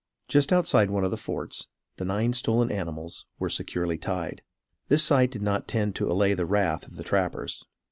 Just outside one of the forts, the nine stolen animals were securely tied. This sight did not tend to allay the wrath of the trappers.